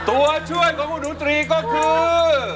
ตัวช่วยคุณหนูตรีก็คือ